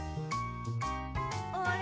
あれ？